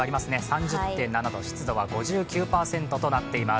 ３０．７度、湿度は５９％となっています。